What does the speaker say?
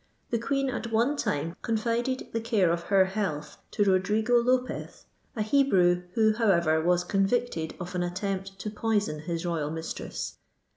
The Queen at one time confided the care of her health to BodrigoLopez, a Hebrew, who, however, was convicted of an attempt to poison his royal mistress.